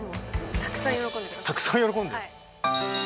たくさん喜んで？